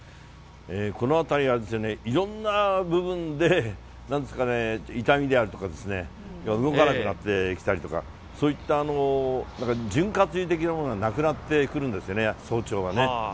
このあたりはいろんな部分で、なんですかね、痛みであるとかですね、動かなくなってきたりとか、そういった、なんか潤滑油的なものがなくなってくるんですよね、早朝はね。